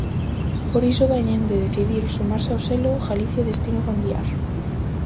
Por iso veñen de decidir sumarse ao selo "Galicia destino familiar".